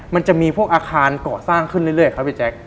มันจะมีพวกอาคารก่อสร้างขึ้นเรื่อยครับพี่แจ๊ค